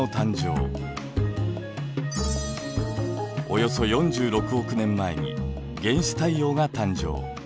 およそ４６億年前に原始太陽が誕生。